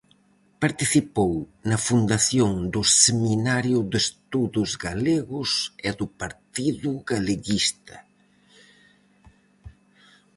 Participou na fundación do Seminario de Estudos Galegos e do Partido Galeguista.